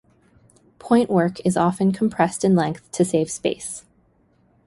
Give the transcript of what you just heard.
Pointwork is often compressed in length to save space.